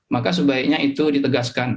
maka sebaiknya itu ditegaskan